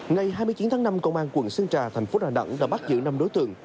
ngày hai mươi chín tháng năm công an quận sơn trà thành phố đà nẵng đã bắt giữ năm đối tượng